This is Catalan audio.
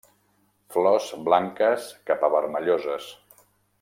Flors blanques cap a vermelloses.